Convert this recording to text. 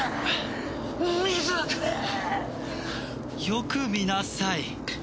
よく見なさい。